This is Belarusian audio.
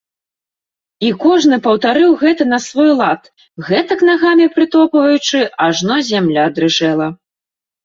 І кожны паўтарыў гэта на свой лад, гэтак нагамі прытопваючы, ажно зямля дрыжэла.